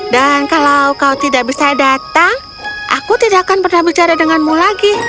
dan kalau kau tidak bisa datang aku tidak akan pernah berbicara denganmu lagi